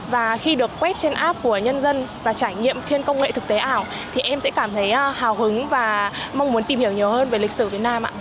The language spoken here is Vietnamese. và khi được quét trên app của nhân dân và trải nghiệm trên công nghệ thực tế ảo thì em sẽ cảm thấy hào hứng và mong muốn tìm hiểu nhiều hơn về lịch sử việt nam ạ